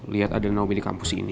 liat ada naomi di kampus ini